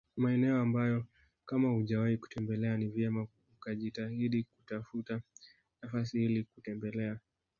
Maeneo ambayo kama hujawahi kutembelea ni vyema ukajitahidi kutafuta nafasi ili kutembelea